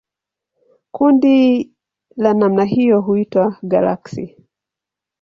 Kundi la namna hiyo huitwa galaksi.